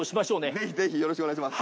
ぜひぜひよろしくお願いします。